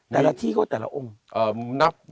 แต่ละที่ก็แต่ละองค์นับ